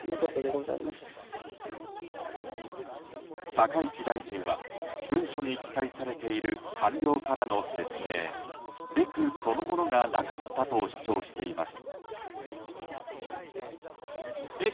高市大臣は文書に記載されている官僚からの説明、レクそのものがなかったと主張しています。